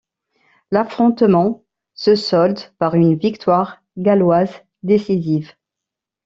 L'affrontement se solde par une victoire galloise décisive.